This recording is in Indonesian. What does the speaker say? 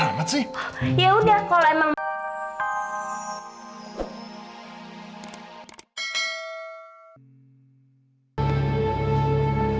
ya udah kalau emang